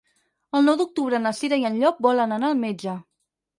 El nou d'octubre na Cira i en Llop volen anar al metge.